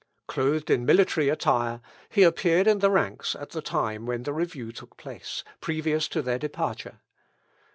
Clothed in military attire, he appeared in the ranks at the time when the review took place, previous to their departure.